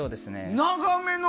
長めの。